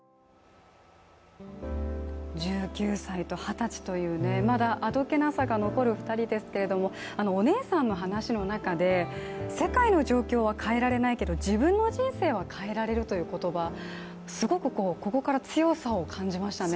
１９歳と二十歳という、まだあどけなさが残る２人ですけれども、お姉さんの話の中で、世界の状況は変えられないけど自分の人生は変えられるという言葉、すごくここから強さを感じましたね。